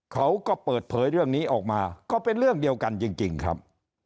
เขาก็เปิดเผยเรื่องนี้ออกมาก็เป็นเรื่องเดียวกันจริงครับ